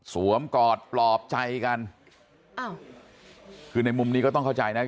กอดปลอบใจกันอ้าวคือในมุมนี้ก็ต้องเข้าใจนะ